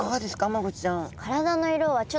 マゴチちゃん。